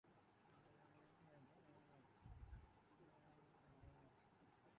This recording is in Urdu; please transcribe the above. اس وقت یہ پاکستان میں سیاحت کے لیئے موجود تھیں۔